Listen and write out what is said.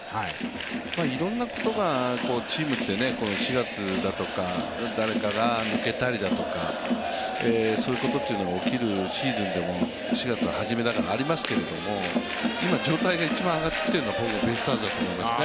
いろんなことがチームって、４月、誰かが抜けたりとか、そういうことというのが起きるシーズンでも、４月は始めだからありますけれども、今状態が一番上がってきてるのはベイスターズだと思いますね。